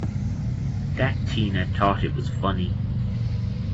That Tina thought it was funny!